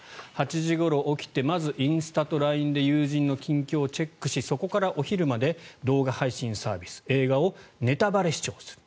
８時ごろ起きてまず、インスタとＬＩＮＥで友人の近況をチェックしそこからお昼まで動画配信サービス映画をネタバレ視聴する。